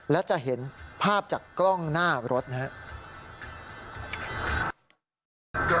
และจะเห็นภาพจากกล้องหน้ารถนะครับ